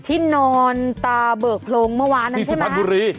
ที่นอนตาเบิกพลงเมื่อวานั้นใช่ไหมที่สุภัณฑุรี